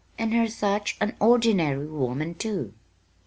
And her such an ordinary woman, too!"